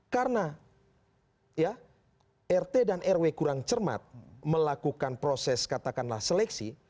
karena ya rt dan rw kurang cermat melakukan proses katakanlah seleksi